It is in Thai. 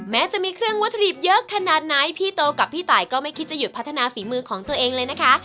แม้จะมีเครื่องวัตถุดิบเยอะขนาดไหนพี่โตกับพี่ตายก็ไม่คิดจะหยุดพัฒนาฝีมือของตัวเองเลยนะคะ